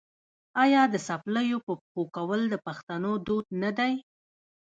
آیا د څپلیو په پښو کول د پښتنو دود نه دی؟